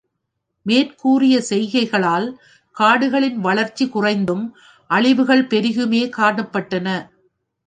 மேற்கூறிய செய்கைகளால், காடுகளின் வளர்ச்சி குறைந்தும் அழிவுகள் பெருகியுமே காணப்பட்டன.